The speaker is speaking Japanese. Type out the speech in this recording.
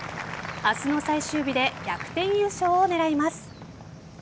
明日の最終日で逆転優勝を狙います。